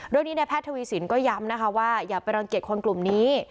ในแพทย์ทวีสินก็ย้ำนะคะว่าอย่าไปรังเกียจคนกลุ่มนี้